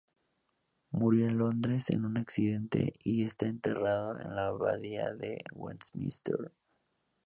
Murió en Londres en un accidente y está enterrado en la abadía de Westminster.